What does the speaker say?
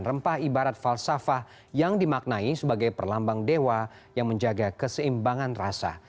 rempah ibarat falsafah yang dimaknai sebagai perlambang dewa yang menjaga keseimbangan rasa